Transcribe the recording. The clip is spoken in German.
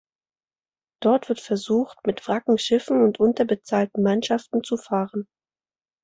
Dort wird versucht, mit wracken Schiffen und unterbezahlten Mannschaften zu fahren.